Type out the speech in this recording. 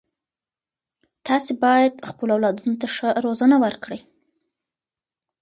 تاسې باید خپلو اولادونو ته ښه روزنه ورکړئ.